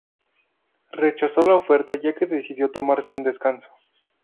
Rechazó la oferta ya que decidió tomarse un descanso.